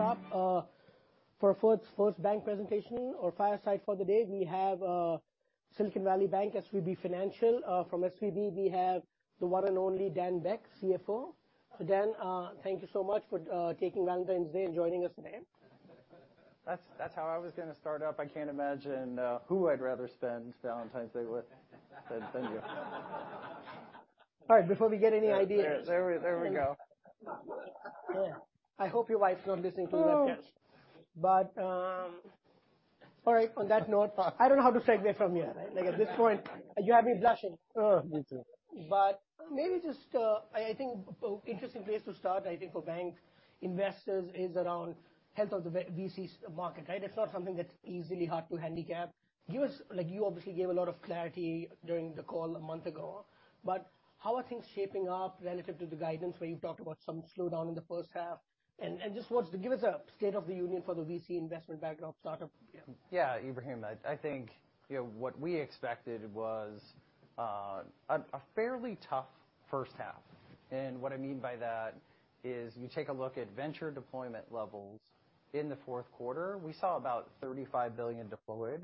Next up, for first bank presentation or fireside for the day, we have Silicon Valley Bank, SVB Financial. From SVB we have the one and only Dan Beck, CFO. Dan, thank you so much for taking Valentine's Day and joining us today. That's how I was gonna start up. I can't imagine who I'd rather spend Valentine's Day with than you. All right, before we get any ideas. There we go. I hope your wife's not listening to the webcast. Mm. All right, on that note. I don't know how to segue from here. Like, at this point you have me blushing. Maybe just, I think interesting place to start, I think, for bank investors is around health of the VCs market, right? It's not something that's easily hard to handicap. Give us, like, you obviously gave a lot of clarity during the call a month ago, but how are things shaping up relative to the guidance where you talked about some slowdown in the first half? Just what's the give us a state of the union for the VC investment backdrop startup? Yeah. Ebrahim, I think, you know, what we expected was a fairly tough first half. What I mean by that is you take a look at venture deployment levels in the fourth quarter, we saw about $35 billion deployed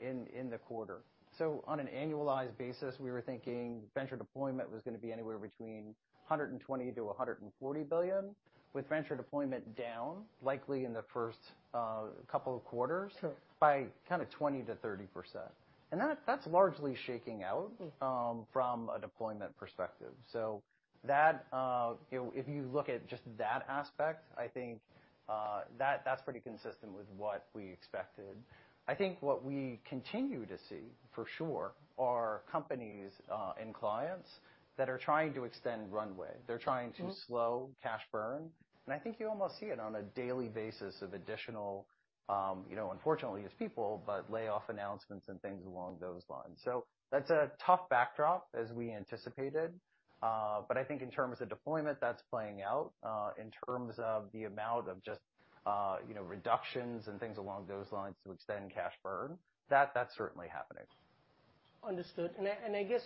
in the quarter. On an annualized basis, we were thinking venture deployment was gonna be anywhere between $120 billion-$140 billion, with venture deployment down likely in the first couple of quarters. Sure. By 20%-30%. that's largely shaking out. Mm. From a deployment perspective. You know, if you look at just that aspect, I think, that's pretty consistent with what we expected. I think what we continue to see, for sure, are companies, and clients that are trying to extend runway. Mm. They are trying to slow cash burn. I think you almost see it on a daily basis of additional, you know, unfortunately it's people, but layoff announcements and things along those lines. That's a tough backdrop, as we anticipated. But I think in terms of deployment, that's playing out. In terms of the amount of just, you know, reductions and things along those lines to extend cash burn, that's certainly happening. Understood. I guess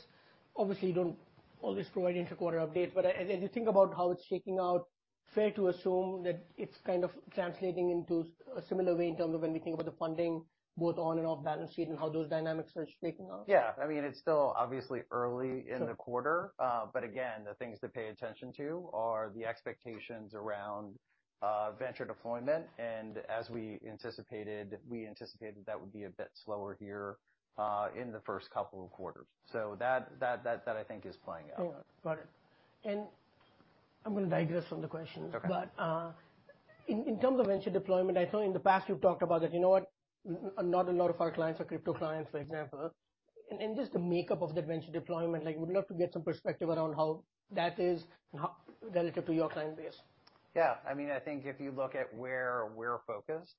obviously you don't always provide inter-quarter update, as you think about how it's shaking out, fair to assume that it's kind of translating into a similar way in terms of when you think about the funding both on and off balance sheet and how those dynamics are shaking out? Yeah. I mean, it's still obviously early in the quarter. Again, the things to pay attention to are the expectations around venture deployment. As we anticipated, we anticipated that would be a bit slower here in the first couple of quarters. That I think is playing out. Got it. I'm gonna digress from the question. Okay. In terms of venture deployment, I know in the past you've talked about that, you know what? Not a lot of our clients are crypto clients, for example. Just the makeup of that venture deployment, like would love to get some perspective around how that is relative to your client base? Yeah. I mean, I think if you look at where we're focused,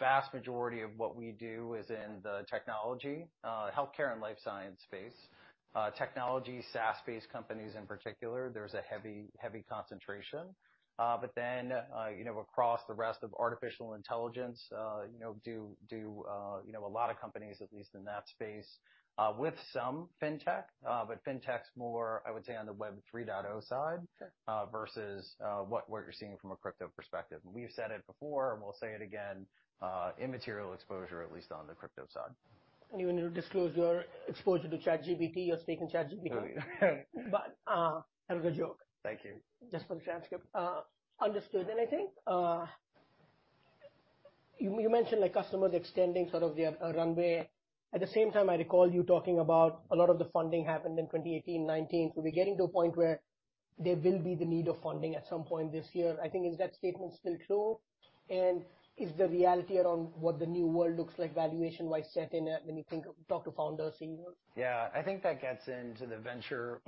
vast majority of what we do is in the technology, healthcare and life science space. Technology, SaaS-based companies in particular. There's a heavy concentration. you know, across the rest of artificial intelligence, you know, do you know, a lot of companies at least in that space, with some fintech. Fintech's more, I would say, on the Web 3.0 side. Sure. Versus, what you're seeing from a crypto perspective. We've said it before and we'll say it again, immaterial exposure at least on the crypto side. You when you disclose your exposure to ChatGPT, you're speaking ChatGPT. That was a joke. Thank you. Just for the transcript. understood. I think, you mentioned like customers extending sort of their runway. At the same time, I recall you talking about a lot of the funding happened in 2018, 2019. We're getting to a point where there will be the need of funding at some point this year. I think, is that statement still true? Is the reality around what the new world looks like valuation-wise set in at when you talk to founders in your? I think that gets into the venture,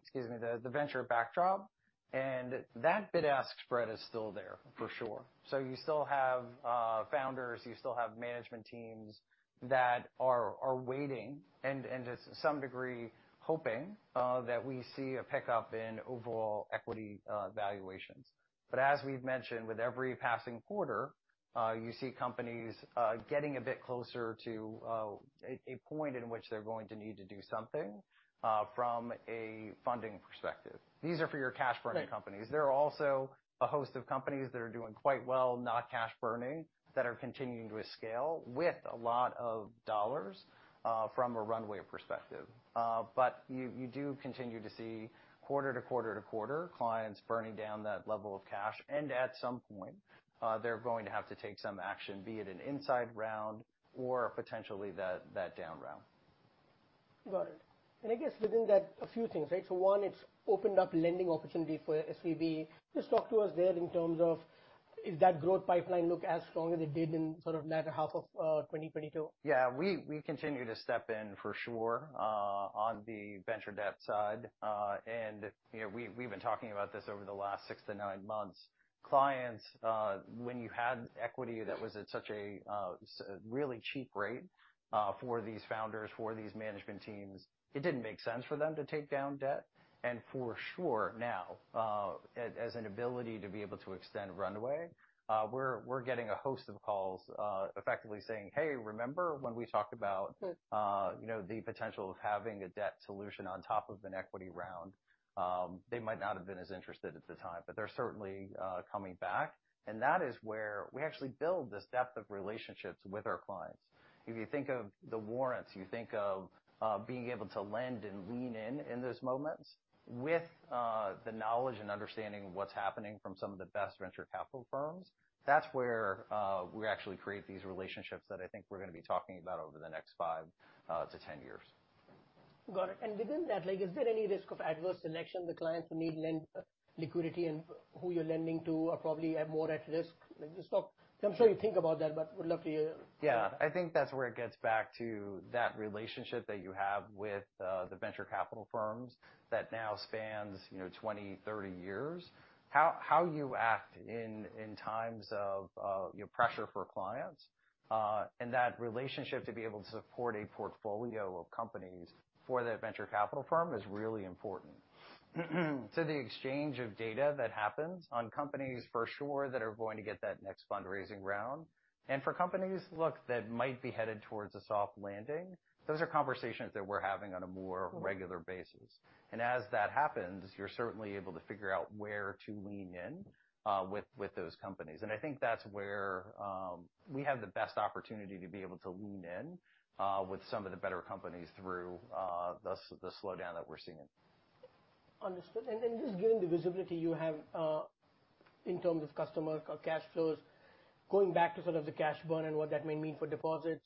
excuse me, the venture backdrop, and that bid-ask spread is still there, for sure. You still have founders, you still have management teams that are waiting and to some degree hoping that we see a pickup in overall equity valuations. As we've mentioned, with every passing quarter, you see companies getting a bit closer to a point in which they're going to need to do something from a funding perspective. These are for your cash burning companies. Right. There are also a host of companies that are doing quite well, not cash burning, that are continuing to scale with a lot of dollars from a runway perspective. You do continue to see quarter to quarter to quarter, clients burning down that level of cash. At some point, they're going to have to take some action, be it an inside round or potentially that down round. Got it. I guess within that, a few things, right? One, it's opened up lending opportunity for SVB. Just talk to us there in terms of is that growth pipeline look as strong as it did in sort of latter half of 2022? Yeah. We continue to step in for sure, on the venture debt side. You know, we've been talking about this over the last six to nine months. Clients, when you had equity that was at such a really cheap rate, for these founders, for these management teams, it didn't make sense for them to take down debt. For sure now, as an ability to be able to extend runway, we're getting a host of calls, effectively saying, "Hey, remember when we talked about. Sure. You know, the potential of having a debt solution on top of an equity round? They might not have been as interested at the time, but they're certainly coming back. That is where we actually build this depth of relationships with our clients. If you think of the warrants, you think of being able to lend and lean in in those moments with the knowledge and understanding of what's happening from some of the best venture capital firms, that's where we actually create these relationships that I think we're gonna be talking about over the next five-10 years. Got it. Within that, like is there any risk of adverse selection the clients who need lend liquidity and who you're lending to are probably more at risk? Like just talk. I'm sure you think about that, but would love to hear. Yeah. I think that's where it gets back to that relationship that you have with the venture capital firms that now spans, you know, 20 years, 30 years. How you act in times of, you know, pressure for clients, and that relationship to be able to support a portfolio of companies for that venture capital firm is really important. To the exchange of data that happens on companies for sure that are going to get that next fundraising round, and for companies, look, that might be headed towards a soft landing, those are conversations that we're having on a more regular basis. As that happens, you're certainly able to figure out where to lean in with those companies. I think that's where we have the best opportunity to be able to lean in with some of the better companies through the slowdown that we're seeing. Understood. Just given the visibility you have, in terms of customer or cash flows, going back to sort of the cash burn and what that may mean for deposits,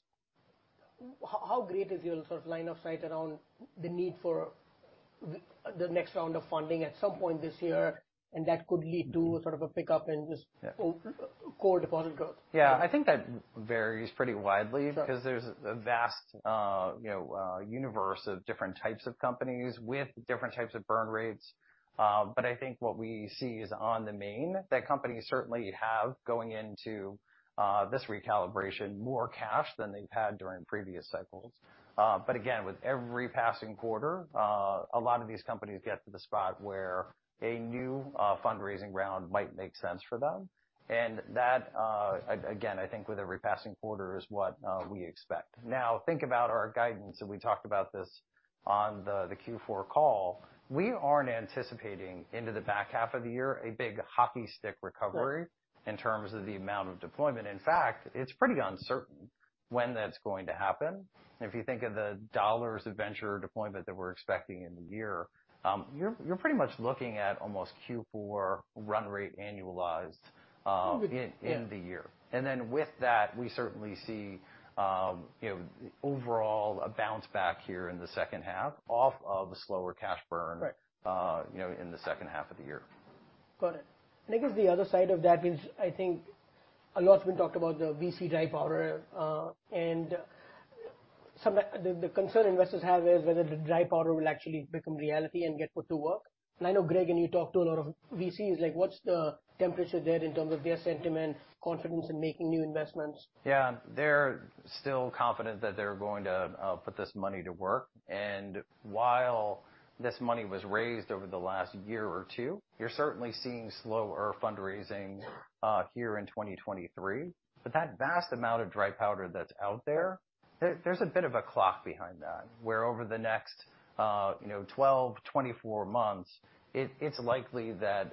how great is your sort of line of sight around the need for the next round of funding at some point this year, and that could lead to sort of a pickup in just... Yeah. ...core deposit growth? Yeah. I think that varies pretty widely. Sure. Cause there's a vast, you know, universe of different types of companies with different types of burn rates. I think what we see is on the main, that companies certainly have going into this recalibration more cash than they've had during previous cycles. Again, with every passing quarter, a lot of these companies get to the spot where a new fundraising round might make sense for them. That again, I think with every passing quarter is what we expect. Think about our guidance, and we talked about this on the Q4 call. We aren't anticipating into the back half of the year a big hockey stick recovery- Right. -In terms of the amount of deployment. In fact, it's pretty uncertain when that's going to happen. If you think of the dollars of venture deployment that we're expecting in the year, you're pretty much looking at almost Q4 run rate annualized. Yeah. In the year. With that, we certainly see, you know, overall a bounce back here in the second half off of the slower cash burn. Right. You know, in the second half of the year. Got it. I guess the other side of that is, I think a lot's been talked about the VC dry powder. The concern investors have is whether the dry powder will actually become reality and get put to work. I know, Greg, and you talk to a lot of VCs, like what's the temperature there in terms of their sentiment, confidence in making new investments? Yeah. They're still confident that they're going to put this money to work. While this money was raised over the last year or two, you're certainly seeing slower fundraising here in 2023. That vast amount of dry powder that's out there's a bit of a clock behind that, where over the next, you know, 12 months, 24 months, it's likely that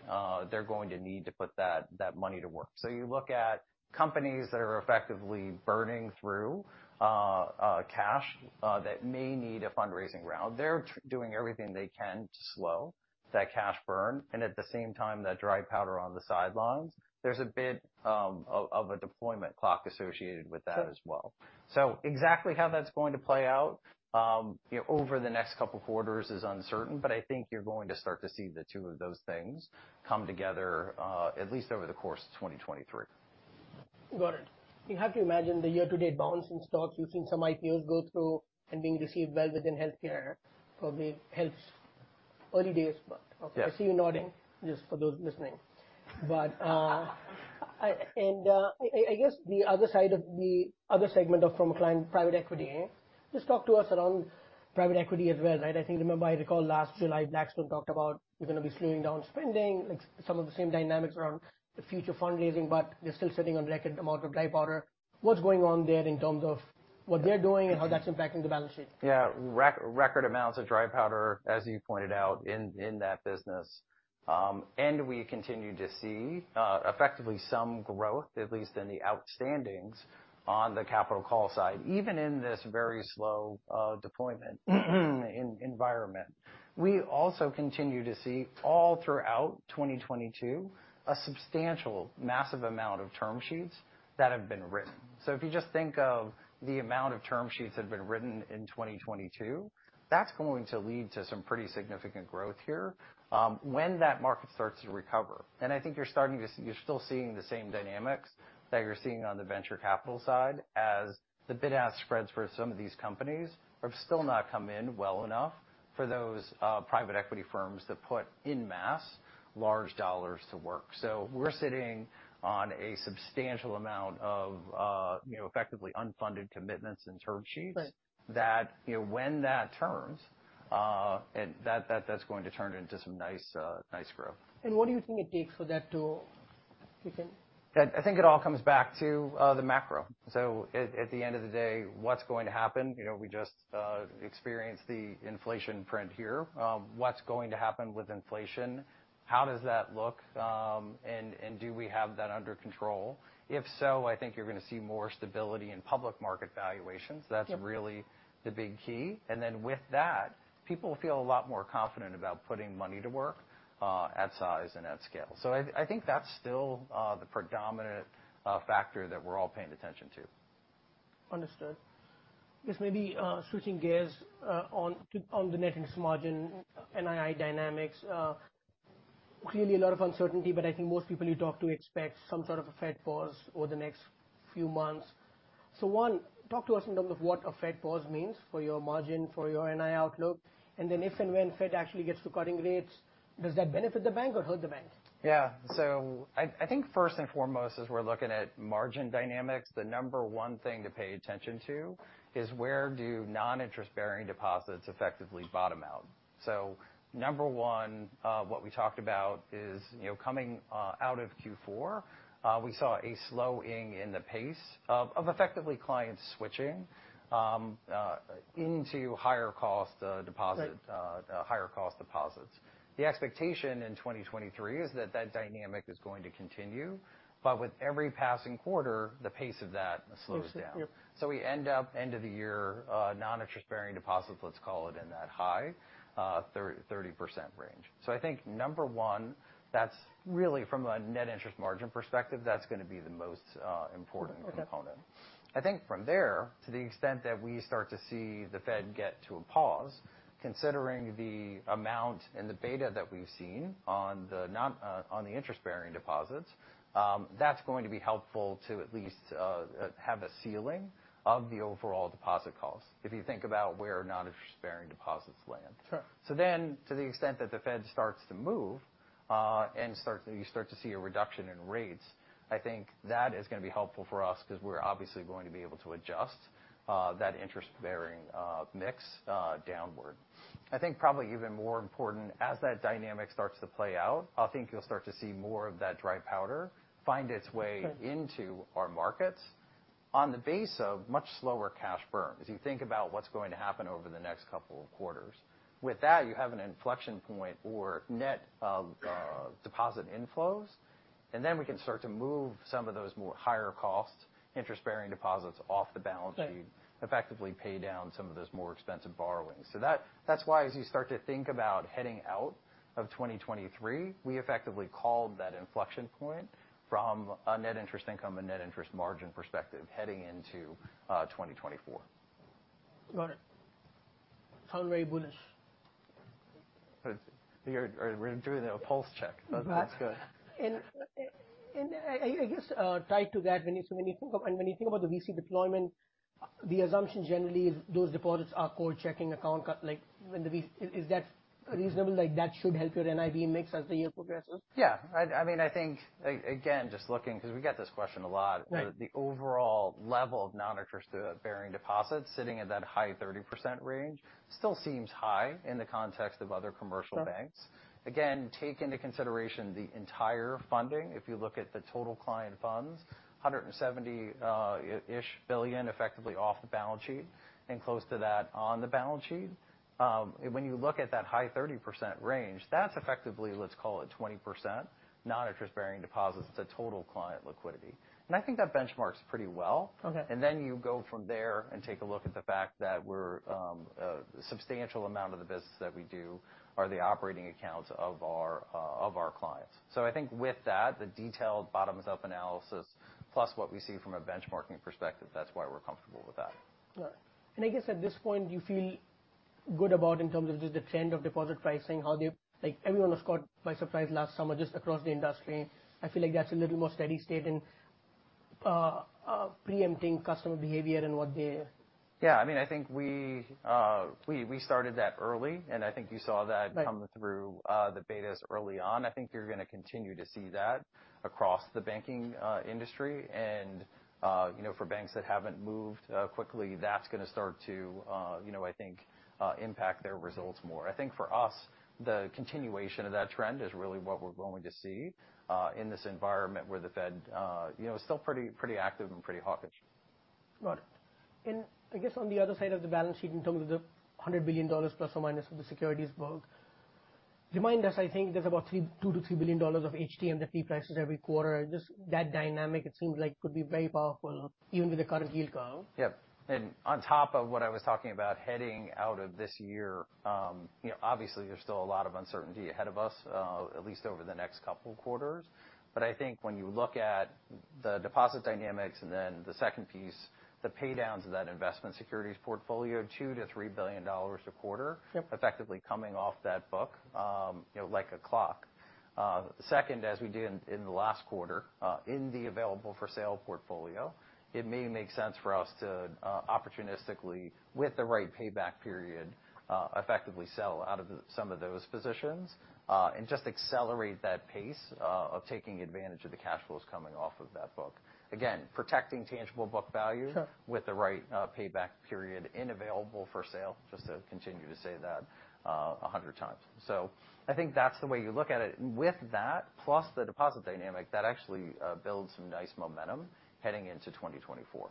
they're going to need to put that money to work. You look at companies that are effectively burning through cash that may need a fundraising round. They're doing everything they can to slow that cash burn, and at the same time, that dry powder on the sidelines, there's a bit of a deployment clock associated with that as well. Sure. Exactly how that's going to play out, you know, over the next couple of quarters is uncertain, but I think you're going to start to see the two of those things come together, at least over the course of 2023. Got it. You have to imagine the year-to-date bounce in stocks. You've seen some IPOs go through and being received well within healthcare. Probably helps. Early days. Yeah. I see you nodding, just for those listening. I guess the other side of the other segment of from a client private equity, just talk to us around private equity as well, right? I think, remember I recall last July, Blackstone talked about they're gonna be slowing down spending, like some of the same dynamics around the future fundraising, but they're still sitting on record amount of dry powder. What's going on there in terms of what they're doing and how that's impacting the balance sheet? Yeah. Record amounts of dry powder, as you pointed out, in that business. We continue to see effectively some growth, at least in the outstandings on the capital call side, even in this very slow deployment environment. We also continue to see all throughout 2022, a substantial massive amount of term sheets that have been written. If you just think of the amount of term sheets that have been written in 2022, that's going to lead to some pretty significant growth here when that market starts to recover. I think you're starting to you're still seeing the same dynamics that you're seeing on the venture capital side as the bid-ask spreads for some of these companies have still not come in well enough for those private equity firms to put en masse large dollars to work. We're sitting on a substantial amount of, you know, effectively unfunded commitments and term sheets. Right. That, you know, when that turns, and that's going to turn into some nice growth. What do you think it takes for that to? I think it all comes back to the macro. At the end of the day, what's going to happen? You know, we just experienced the inflation print here. What's going to happen with inflation? How does that look, and do we have that under control? If so, I think you're gonna see more stability in public market valuations. Yep. That's really the big key. With that, people feel a lot more confident about putting money to work, at size and at scale. I think that's still, the predominant, factor that we're all paying attention to. Understood. Just maybe, switching gears, on the net interest margin NII dynamics. Clearly a lot of uncertainty, but I think most people you talk to expect some sort of a Fed pause over the next few months. One, talk to us in terms of what a Fed pause means for your margin, for your NI outlook. If and when Fed actually gets to cutting rates, does that benefit the bank or hurt the bank? Yeah. I think first and foremost, as we're looking at margin dynamics, the number 1 thing to pay attention to is where do non-interest-bearing deposits effectively bottom out. Number one, what we talked about is, you know, coming out of Q4, we saw a slowing in the pace of effectively clients switching into higher cost, Right. Higher cost deposits. The expectation in 2023 is that that dynamic is going to continue. With every passing quarter, the pace of that slows down. Yep. We end up, end of the year, non-interest-bearing deposits, let's call it in that high, 30% range. I think number one, that's really from a net interest margin perspective, that's gonna be the most important component. Okay. I think from there, to the extent that we start to see the Fed get to a pause, considering the amount and the beta that we've seen on the interest-bearing deposits, that's going to be helpful to at least, have a ceiling of the overall deposit costs if you think about where non-interest-bearing deposits land. Sure. To the extent that the Fed starts to move, and you start to see a reduction in rates, I think that is gonna be helpful for us because we're obviously going to be able to adjust that interest-bearing mix downward. I think probably even more important, as that dynamic starts to play out, I think you'll start to see more of that dry powder find its way-. Sure. -Into our markets on the base of much slower cash burn as you think about what's going to happen over the next couple of quarters. With that, you have an inflection point or net of deposit inflows, and then we can start to move some of those more higher costs interest-bearing deposits off the balance sheet Right. -Effectively pay down some of those more expensive borrowings. That's why as you start to think about heading out of 2023, we effectively called that inflection point from a net interest income and net interest margin perspective heading into 2024. Got it. Sound very bullish. We're doing a pulse check. Right. That's good. I guess, tied to that when you think about the VC deployment, the assumption generally is those deposits are cold checking account, like when the V... Is that reasonable? Like that should help your NIB mix as the year progresses? Yeah. I mean, I think, again, just looking because we get this question a lot. Right. The overall level of non-interest-bearing deposits sitting at that high 30% range still seems high in the context of other commercial banks. Okay. Again, take into consideration the entire funding. If you look at the total client funds, $170 ish billion effectively off the balance sheet and close to that on the balance sheet. When you look at that high 30% range, that's effectively, let's call it 20% non-interest-bearing deposits. It's a total client liquidity. I think that benchmarks pretty well. Okay. You go from there and take a look at the fact that we're a substantial amount of the business that we do are the operating accounts of our of our clients. I think with that, the detailed bottoms-up analysis plus what we see from a benchmarking perspective, that's why we're comfortable with that. Right. I guess at this point, do you feel good about in terms of just the trend of deposit pricing, Like everyone was caught by surprise last summer just across the industry? I feel like that's a little more steady-state in preempting customer behavior. Yeah. I mean, I think we started that early. I think you saw that-. Right. -Come through, the betas early on. I think you're gonna continue to see that across the banking industry and, you know, for banks that haven't moved quickly, that's gonna start to, you know, I think, impact their results more. I think for us, the continuation of that trend is really what we're going to see in this environment where the Fed, you know, is still pretty active and pretty hawkish. Got it. I guess on the other side of the balance sheet in terms of the $100 billion plus or minus for the securities book, remind us, I think there's about $2 billion-$3 billion of HTM that reprices every quarter. Just that dynamic, it seems like could be very powerful even with the current yield curve. Yep. On top of what I was talking about heading out of this year, you know, obviously there's still a lot of uncertainty ahead of us, at least over the next couple quarters. I think when you look at the deposit dynamics and then the second piece, the pay downs of that investment securities portfolio, $2 billion-$3 billion a quarter-. Yep. -Effectively coming off that book, you know, like a clock. As we did in the last quarter, in the available for sale portfolio, it may make sense for us to opportunistically, with the right payback period, effectively sell out of some of those positions, and just accelerate that pace of taking advantage of the cash flows coming off of that book. Again, protecting tangible book value-. Sure. -With the right, payback period and available for sale, just to continue to say that, 100 times. I think that's the way you look at it. With that, plus the deposit dynamic, that actually, builds some nice momentum heading into 2024.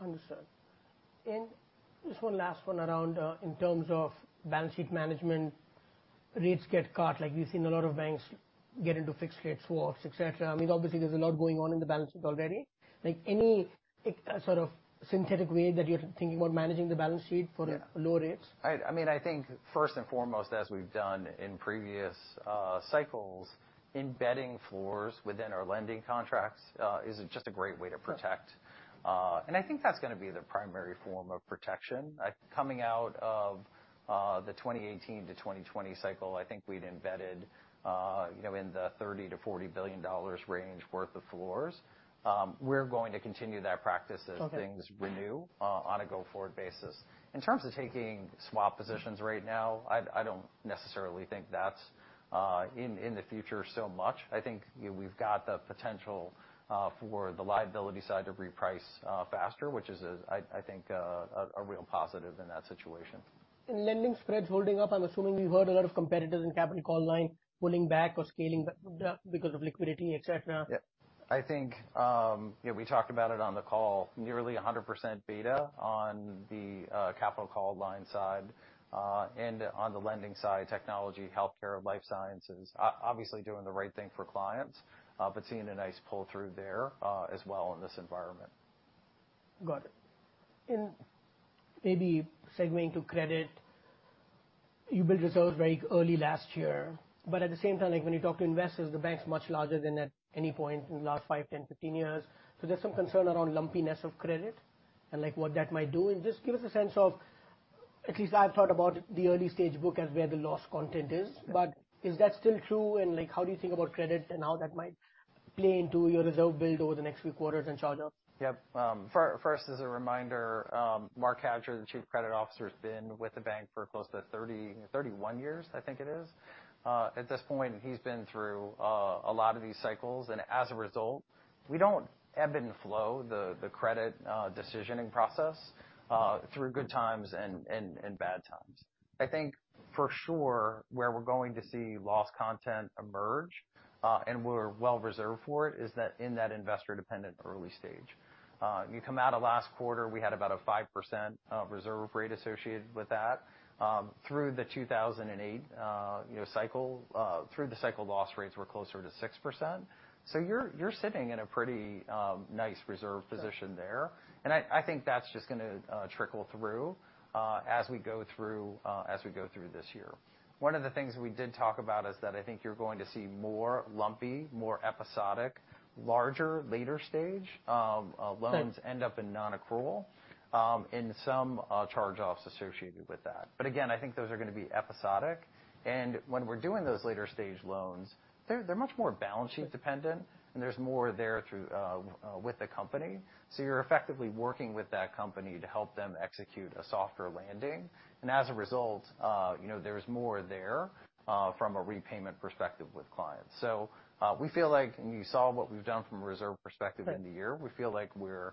Understood. Just one last one around, in terms of balance sheet management. Rates get cut, like we've seen a lot of banks get into fixed rate swaps, et cetera. I mean, obviously there's a lot going on in the balance sheet already. Like, any sort of synthetic way that you're thinking about managing the balance sheet for low rates? I mean, I think first and foremost as we've done in previous cycles, embedding floors within our lending contracts is just a great way to protect. I think that's gonna be the primary form of protection. Coming out of the 2018-2020 cycle, I think we'd embedded, you know, in the $30 billion-$40 billion range worth of floors. We're going to continue that practice as things renew. Okay. On a go-forward basis. In terms of taking swap positions right now, I don't necessarily think that's in the future so much. I think we've got the potential for the liability side to reprice faster, which is I think a real positive in that situation. Lending spreads holding up. I'm assuming we've heard a lot of competitors in capital call line pulling back or scaling because of liquidity, et cetera. Yeah. I think, yeah, we talked about it on the call. Nearly 100% beta on the capital call line side. On the lending side, technology, healthcare, life sciences. Obviously doing the right thing for clients, seeing a nice pull-through there as well in this environment. Got it. Maybe segueing to credit, you built reserves very early last year. At the same time, like when you talk to investors, the bank's much larger than at any point in the last five years, 10 years, 15 years. There's some concern around lumpiness of credit and, like, what that might do. Just give us a sense of... At least I've thought about the early-stage book as where the loss content is. Is that still true, and like how do you think about credit and how that might play into your reserve build over the next few quarters and charge-offs? First, as a reminder, Marc Cadieux, Chief Credit Officer, has been with the bank for close to 30 years, 31 years, I think it is. At this point, he's been through a lot of these cycles. As a result, we don't ebb and flow the credit decisioning process through good times and bad times. I think for sure where we're going to see loss content emerge, and we're well reserved for it, is that in that investor-dependent early stage. You come out of last quarter, we had about a 5% reserve rate associated with that. Through the 2008, you know, cycle, through the cycle loss rates were closer to 6%. You're sitting in a pretty nice reserve position there. I think that's just gonna trickle through as we go through this year. One of the things we did talk about is that I think you're going to see more lumpy, more episodic, larger, later stage loans end up in non-accrual and some charge-offs associated with that. Again, I think those are gonna be episodic. When we're doing those later stage loans, they're much more balance sheet dependent, and there's more there through with the company. You're effectively working with that company to help them execute a softer landing. As a result, you know, there's more there from a repayment perspective with clients. We feel like, and you saw what we've done from a reserve perspective in the year. We feel like we're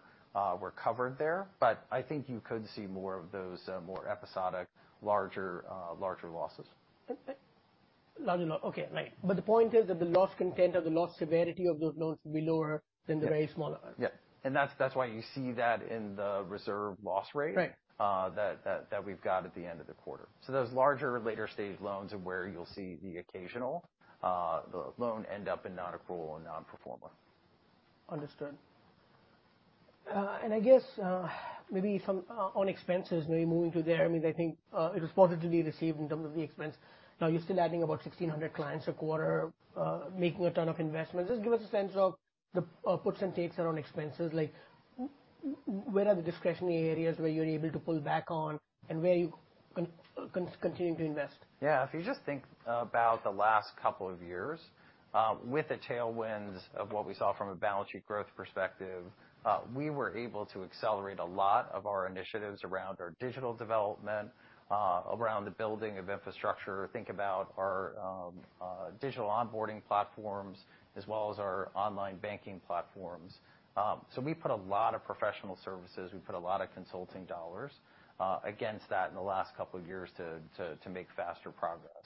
covered there. I think you could see more of those, more episodic, larger losses. Okay. Larger Okay, right. The point is that the loss content or the loss severity of those loans will be lower than the very small ones. Yeah. that's why you see that in the reserve loss rate. Right. that we've got at the end of the quarter. Those larger later stage loans are where you'll see the occasional, loan end up in non-accrual and non-performer. Understood. I guess, maybe some on expenses, maybe moving to there, I mean, I think, it was positively received in terms of the expense. Now you're still adding about 1,600 clients a quarter, making a ton of investments. Just give us a sense of the puts and takes around expenses. Like where are the discretionary areas where you're able to pull back on, and where are you continuing to invest? Yeah. If you just think about the last couple of years, with the tailwinds of what we saw from a balance sheet growth perspective, we were able to accelerate a lot of our initiatives around our digital development, around the building of infrastructure. Think about our digital onboarding platforms as well as our online banking platforms. We put a lot of professional services, we put a lot of consulting dollars against that in the last couple of years to make faster progress.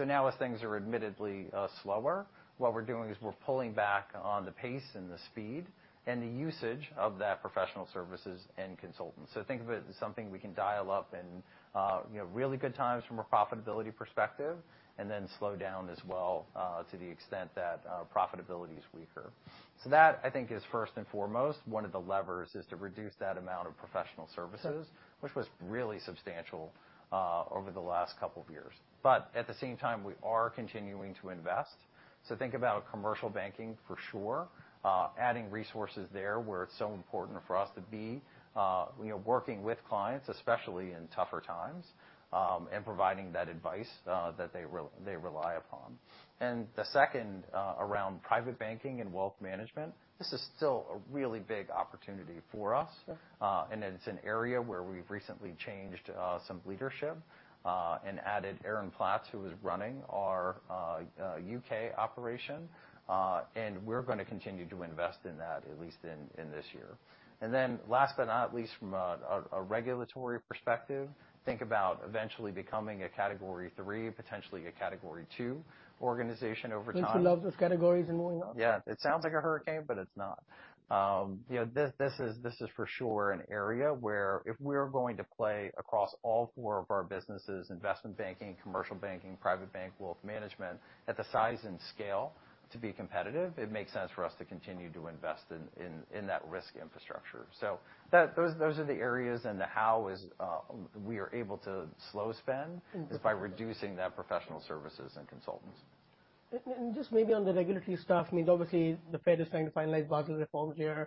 Now as things are admittedly slower, what we're doing is we're pulling back on the pace and the speed and the usage of that professional services and consultants. Think of it as something we can dial up in, you know, really good times from a profitability perspective, and then slow down as well, to the extent that profitability is weaker. That I think is first and foremost one of the levers is to reduce that amount of professional services. Okay. which was really substantial over the last couple of years. At the same time, we are continuing to invest. Think about commercial banking for sure, adding resources there where it's so important for us to be, you know, working with clients, especially in tougher times, and providing that advice that they rely upon. The second, around private banking and wealth management, this is still a really big opportunity for us. Sure. It's an area where we've recently changed some leadership and added Erin Platts, who is running our UK operation. We're gonna continue to invest in that at least in this year. Last but not least from a regulatory perspective, think about eventually becoming a Category III, potentially a Category II organization over time. Need to love those categories and moving on. Yeah. It sounds like a hurricane, but it's not. You know, this is for sure an area where if we're going to play across all four of our businesses, investment banking, commercial banking, private bank, wealth management at the size and scale to be competitive, it makes sense for us to continue to invest in that risk infrastructure. That, those are the areas and the how is-. Mm-hmm. -Is by reducing that professional services and consultants. Just maybe on the regulatory stuff, I mean, obviously the Fed is trying to finalize Basel reforms here.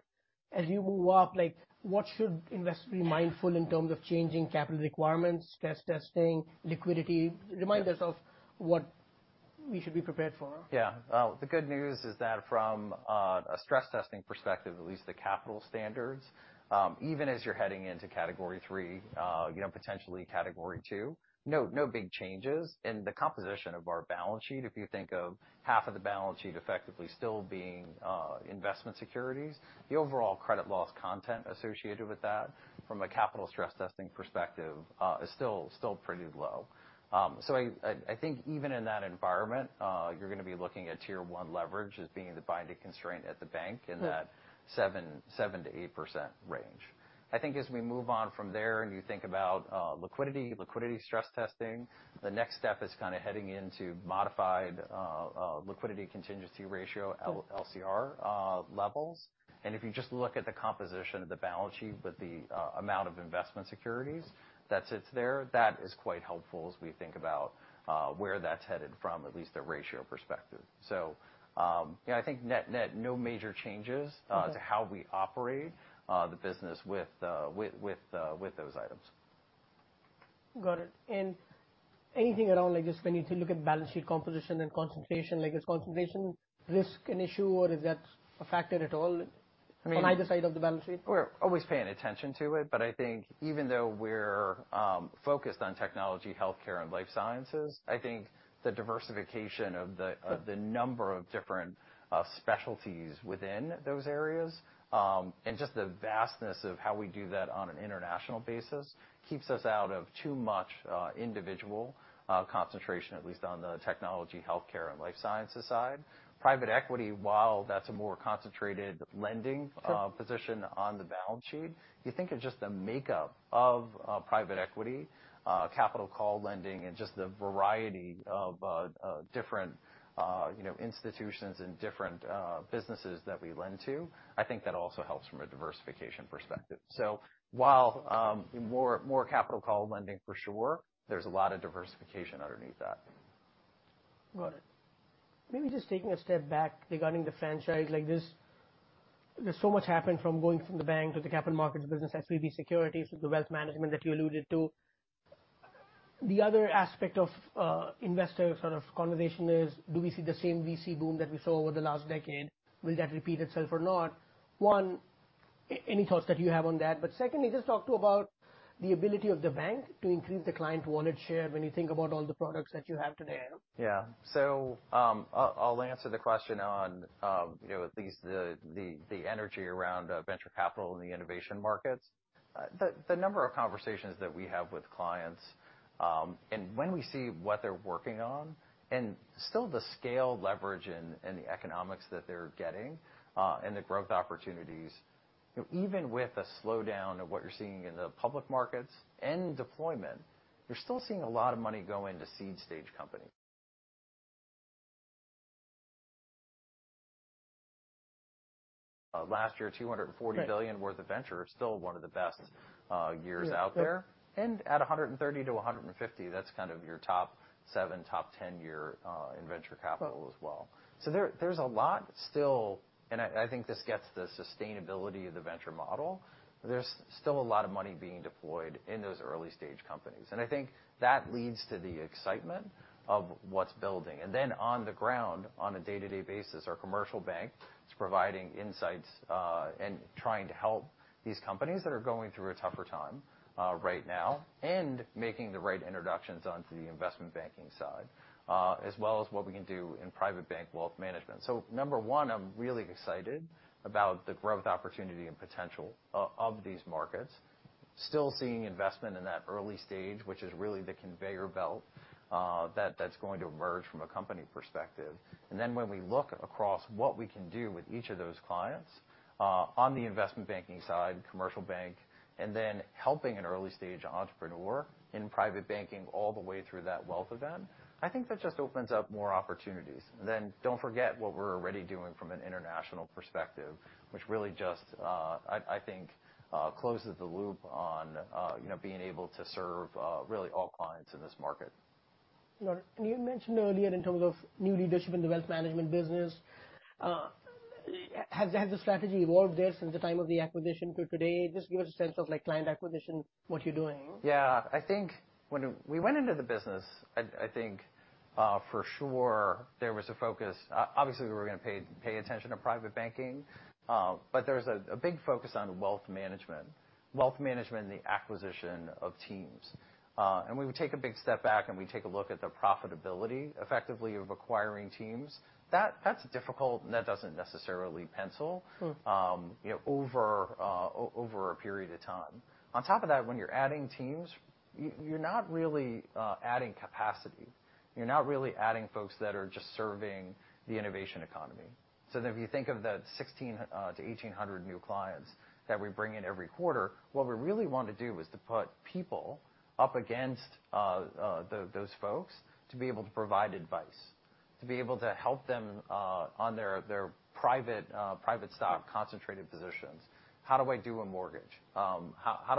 As you move up, like what should investors be mindful in terms of changing capital requirements, stress testing, liquidity? Remind us of what we should be prepared for? The good news is that from a stress testing perspective, at least the capital standards, even as you're heading into Category III, you know, potentially Category II, no big changes. In the composition of our balance sheet, if you think of half of the balance sheet effectively still being investment securities, the overall credit loss content associated with that from a capital stress testing perspective, is still pretty low. So I think even in that environment, you're gonna be looking at Tier 1 leverage as being the binding constraint at the bank. Mm. 7%-8% range. I think as we move on from there, and you think about liquidity stress testing, the next step is kind of heading into modified liquidity coverage ratio. Mm. LCR levels. If you just look at the composition of the balance sheet with the amount of investment securities that sits there, that is quite helpful as we think about where that's headed from, at least a ratio perspective. Yeah, I think net-net, no major changes-. Okay. -To how we operate, the business with those items. Got it. Anything around like just when you look at balance sheet composition and concentration, like is concentration risk an issue, or is that a factor at all? I mean- On either side of the balance sheet? We're always paying attention to it, I think even though we're focused on technology, healthcare, and life sciences, I think the diversification of-. Sure. -Of the number of different specialties within those areas, and just the vastness of how we do that on an international basis, keeps us out of too much individual concentration, at least on the technology, healthcare, and life sciences side. Private equity, while that's a more concentrated lending-. Sure. -Position on the balance sheet, you think of just the makeup of private equity, capital call lending, and just the variety of different, you know, institutions and different businesses that we lend to, I think that also helps from a diversification perspective. While more capital call lending for sure, there's a lot of diversification underneath that. Got it. Maybe just taking a step back regarding the franchise like this, there's so much happened from going from the bank to the capital markets business, SVB Securities to the wealth management that you alluded to. The other aspect of investor sort of conversation is do we see the same VC boom that we saw over the last decade? Will that repeat itself or not? One, any thoughts that you have on that? Secondly, just talk to about the ability of the bank to increase the client wallet share when you think about all the products that you have today. Yeah. I'll answer the question on, you know, at least the energy around venture capital and the innovation markets. The number of conversations that we have with clients, and when we see what they're working on, and still the scaled leverage and the economics that they're getting, and the growth opportunities, you know, even with a slowdown of what you're seeing in the public markets and deployment, you're still seeing a lot of money go into seed stage companies. Last year, $240 billion-. Right. -Worth of venture, still one of the best, years out there. Yeah. At 130-150, that's kind of your top seven, top 10 year in venture capital as well. Right. There, there's a lot still... I think this gets the sustainability of the venture model. There's still a lot of money being deployed in those early-stage companies. I think that leads to the excitement of what's building. On the ground, on a day-to-day basis, our commercial bank is providing insights, and trying to help these companies that are going through a tougher time right now, and making the right introductions onto the investment banking side, as well as what we can do in private bank wealth management. Number one, I'm really excited about the growth opportunity and potential of these markets. Still seeing investment in that early stage, which is really the conveyor belt that's going to emerge from a company perspective. When we look across what we can do with each of those clients, on the investment banking side, commercial bank, and then helping an early-stage entrepreneur in private banking all the way through that wealth event, I think that just opens up more opportunities. Don't forget what we're already doing from an international perspective, which really just, I think, closes the loop on, you know, being able to serve, really all clients in this market. Got it. You mentioned earlier in terms of new leadership in the wealth management business. Has the strategy evolved there since the time of the acquisition to today? Just give us a sense of like client acquisition, what you're doing. Yeah. I think when we went into the business, I think, for sure there was a focus. Obviously we were gonna pay attention to private banking, there was a big focus on wealth management. Wealth management and the acquisition of teams. When we take a big step back, and we take a look at the profitability effectively of acquiring teams, that's difficult, and that doesn't necessarily pencil. Mm. You know, over a period of time. On top of that, when you're adding teams, you're not really adding capacity. You're not really adding folks that are just serving the innovation economy. If you think of the 1,600-1,800 new clients that we bring in every quarter, what we really want to do is to put people up against those folks to be able to provide advice. To be able to help them on their private stock concentrated positions. How do I do a mortgage? How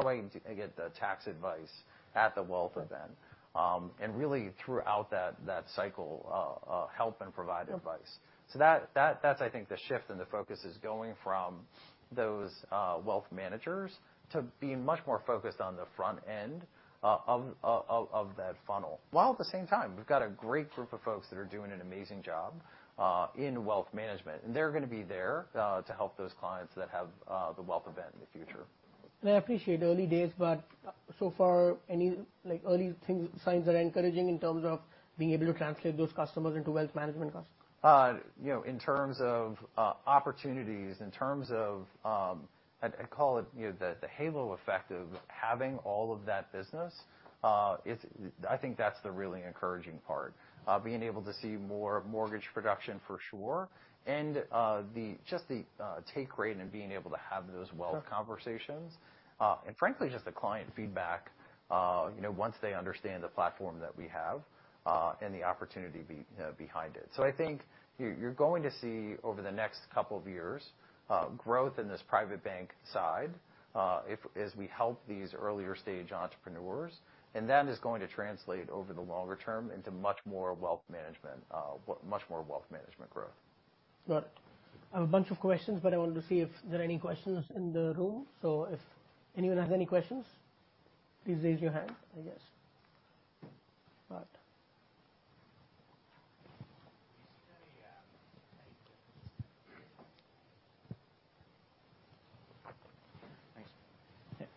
do I get the tax advice at the wealth event? Really throughout that cycle, help and provide advice. That's, I think the shift in the focus is going from those wealth managers to being much more focused on the front end of that funnel, while at the same time, we've got a great group of folks that are doing an amazing job in wealth management, and they're gonna be there to help those clients that have the wealth event in the future. I appreciate early days, but so far, any like early signs that are encouraging in terms of being able to translate those customers into wealth management customers? You know, in terms of opportunities, in terms of, I'd call it, you know, the halo effect of having all of that business, I think that's the really encouraging part. Being able to see more mortgage production for sure, and the just the take rate and being able to have those wealth conversations. Frankly, just the client feedback, you know, once they understand the platform that we have, and the opportunity behind it. I think you're going to see over the next couple of years, growth in this private bank side, as we help these earlier stage entrepreneurs. That is going to translate over the longer term into much more wealth management, much more wealth management growth. Got it. I have a bunch of questions, but I wanted to see if there are any questions in the room. If anyone has any questions, please raise your hand, I guess.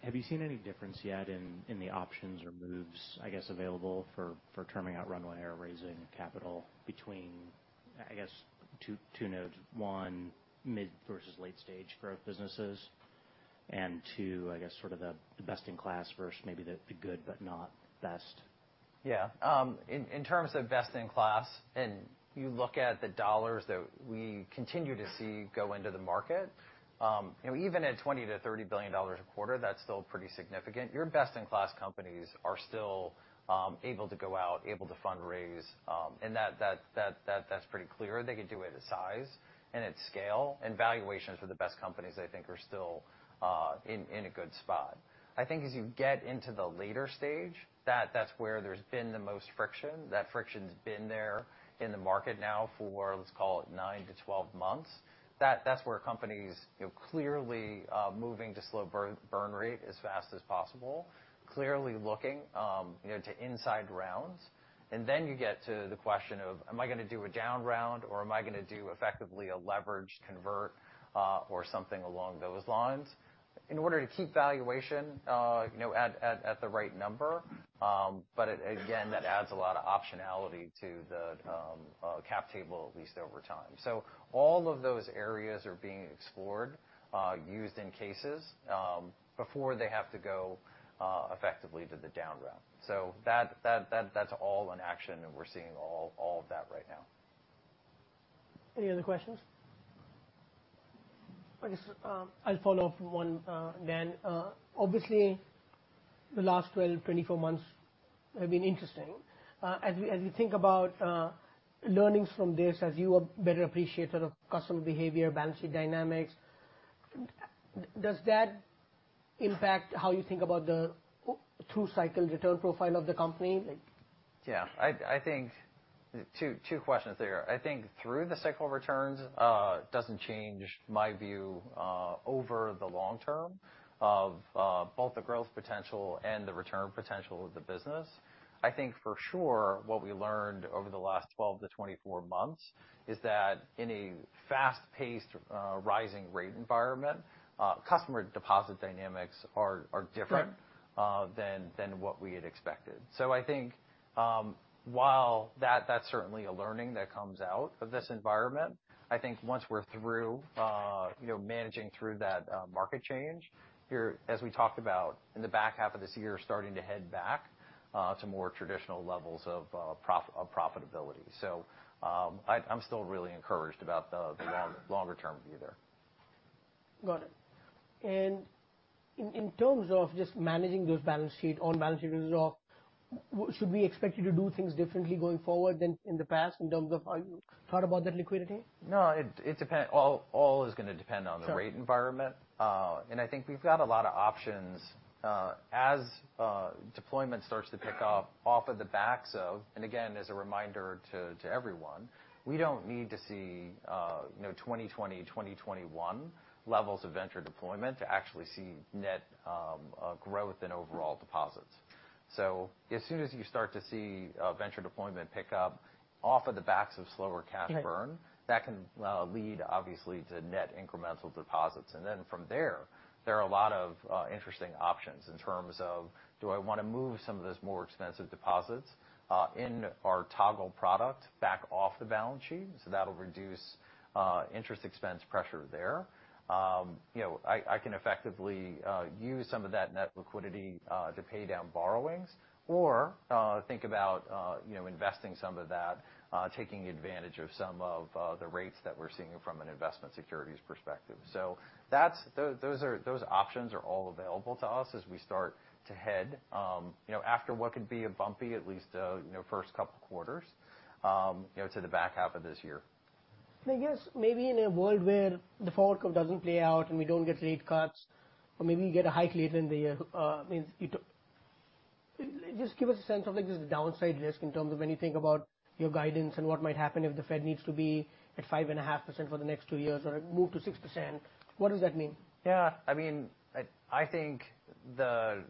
Have you seen any difference yet? Thanks. Have you seen any difference yet in the options or moves, I guess, available for terming out runway or raising capital between, I guess two nodes, one mid versus late stage growth businesses, and two, I guess sort of the best in class versus maybe the good but not best? Yeah. In terms of best in class, and you look at the dollars that we continue to see go into the market, you know, even at $20 billion-$30 billion a quarter, that's still pretty significant. Your best in class companies are still able to go out, able to fundraise, and that's pretty clear. They could do it at size and at scale, and valuations for the best companies I think are still in a good spot. I think as you get into the later stage, that's where there's been the most friction. That friction's been there in the market now for, let's call it nine-12 months. That's where companies, you know, clearly moving to slow burn rate as fast as possible, clearly looking, you know, to inside rounds. Then you get to the question of, am I gonna do a down round, or am I gonna do effectively a leveraged convert, or something along those lines in order to keep valuation, you know, at the right number. It again, that adds a lot of optionality to the cap table, at least over time. All of those areas are being explored, used in cases, before they have to go effectively to the down round. That's all in action, and we're seeing all of that right now. Any other questions? I guess, I'll follow up one, then. Obviously, the last 12 months, 24 months have been interesting. As we think about, learnings from this as you are better appreciator of customer behavior, balance sheet dynamics, does that impact how you think about the through cycle return profile of the company? Like? Yeah. I think two questions there. I think through the cycle returns, doesn't change my view over the long term of both the growth potential and the return potential of the business. I think for sure what we learned over the last 12 months-24 months is that in a fast-paced, rising rate environment, customer deposit dynamics are different- Right ...than what we had expected. I think, while that's certainly a learning that comes out of this environment, I think once we're through, you know, managing through that market change, you're, as we talked about in the back half of this year, starting to head back to more traditional levels of profitability. I'm still really encouraged about the longer term view there. Got it. In terms of just managing those balance sheet on balance sheet results, should we expect you to do things differently going forward than in the past in terms of how you thought about that liquidity? No, it all is gonna depend on the rate environment. Sure. I think we've got a lot of options, as deployment starts to pick up off of the backs of, and again, as a reminder to everyone, we don't need to see, you know, 2020, 2021 levels of venture deployment to actually see net growth in overall deposits. As soon as you start to see venture deployment pick up off of the backs of slower cash burn. Right that can lead obviously to net incremental deposits. From there are a lot of interesting options in terms of, do I wanna move some of those more expensive deposits in our Toggle product back off the balance sheet, so that'll reduce interest expense pressure there. You know, I can effectively use some of that net liquidity to pay down borrowings or think about, you know, investing some of that, taking advantage of some of the rates that we're seeing from an investment securities perspective. Those options are all available to us as we start to head, you know, after what could be a bumpy at least, you know, first couple quarters, you know, to the back half of this year. I guess maybe in a world where the forecast doesn't play out and we don't get rate cuts, or maybe we get a hike later in the year, I mean, Just give us a sense of like just the downside risk in terms of when you think about your guidance and what might happen if the Fed needs to be at 5.5% for the next two years or move to 6%. What does that mean? Yeah. I mean, I think the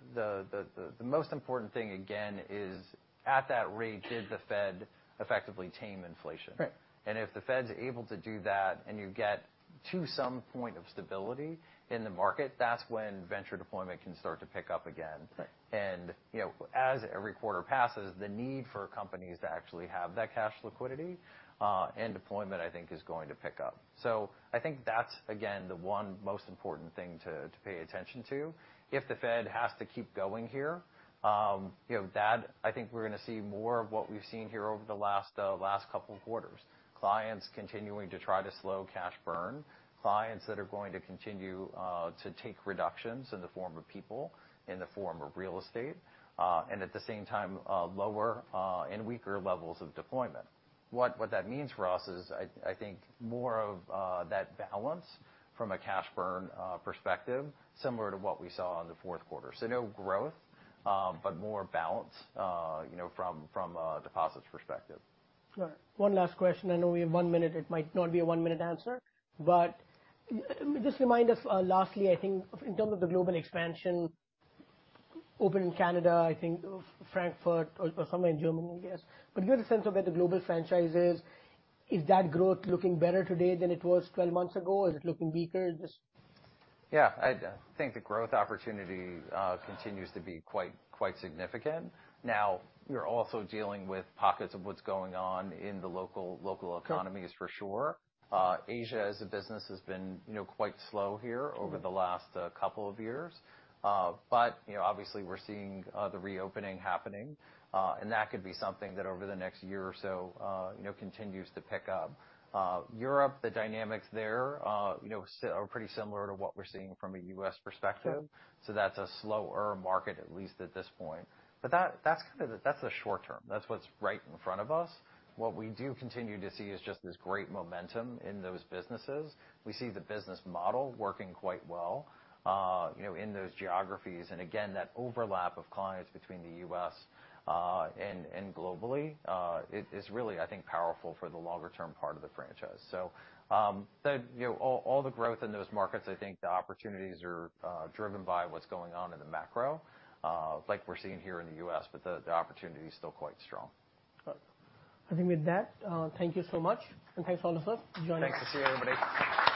most important thing again is at that rate, did the Fed effectively tame inflation? Right. If the Fed's able to do that, and you get to some point of stability in the market, that's when venture deployment can start to pick up again. Right. As every quarter passes, the need for companies to actually have that cash liquidity and deployment, I think is going to pick up. I think that's, again, the one most important thing to pay attention to. If the Fed has to keep going here, you know, that, I think we're gonna see more of what we've seen here over the last couple of quarters. Clients continuing to try to slow cash burn, clients that are going to continue to take reductions in the form of people, in the form of real estate and at the same time, lower and weaker levels of deployment. What that means for us is I think more of that balance from a cash burn perspective similar to what we saw in the fourth quarter No growth, but more balance, you know, from a deposits perspective. Right. One last question. I know we have one minute, it might not be a one-minute answer. Just remind us, lastly, I think in terms of the global expansion, open in Canada, I think Frankfurt or somewhere in Germany, I guess. Give me a sense of where the global franchise is. Is that growth looking better today than it was 12 months ago? Is it looking weaker? Just. Yeah. I think the growth opportunity continues to be quite significant. You're also dealing with pockets of what's going on in the local economies for sure. Asia as a business has been, you know, quite slow here... Mm-hmm. -Over the last couple of years. You know, obviously we're seeing the reopening happening. That could be something that over the next year or so, you know, continues to pick up. Europe, the dynamics there, you know, still are pretty similar to what we're seeing from a U.S. perspective. Okay. That's a slower market, at least at this point. That, that's kinda the short term. That's what's right in front of us. What we do continue to see is just this great momentum in those businesses. We see the business model working quite well, you know, in those geographies. Again, that overlap of clients between the U.S. and globally is really, I think, powerful for the longer term part of the franchise. The, you know, all the growth in those markets, I think the opportunities are driven by what's going on in the macro, like we're seeing here in the U.S., but the opportunity is still quite strong. Right. I think with that, thank you so much, and thanks all of you for joining us. Thanks. See you, everybody.